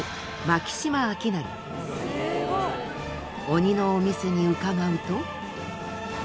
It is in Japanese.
鬼のお店に伺うと。